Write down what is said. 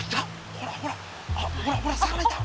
ほらほらほらほら魚いた！